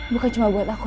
bukan cuma buat aku